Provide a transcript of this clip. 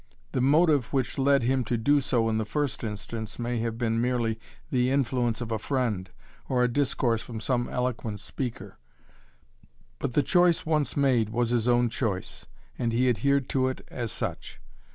The motive which led him to do so in the first instance may have been merely the influence of a friend or a discourse from some eloquent speaker, but the choice once made was his own choice, and he adhered to it as such.